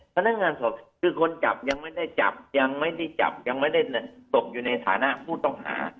พนักงานสอบคือคนจับยังไม่ได้จับยังไม่ได้จับยังไม่ได้ตกอยู่ในฐานะผู้ต้องหา